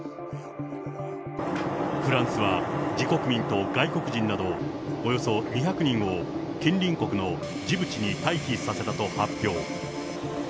フランスは自国民と外国人などおよそ２００人を、近隣国のジブチに退避させたと発表。